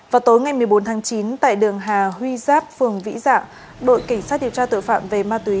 vào tối ngày một mươi bốn tháng chín tại đường hà huy giáp phường vĩ dạ đội cảnh sát điều tra tội phạm về ma túy